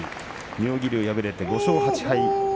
妙義龍に敗れて５勝８敗。